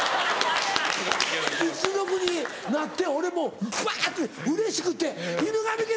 一族になって俺もうバってうれしくて「『犬神家』！